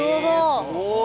えすごい。